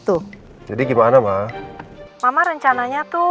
tuh jadi gimana mbak mama rencananya tuh